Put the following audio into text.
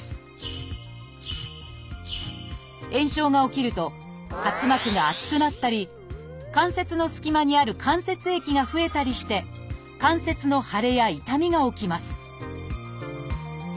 炎症が起きると滑膜が厚くなったり関節の隙間にある関節液が増えたりして関節の腫れや痛みが起きます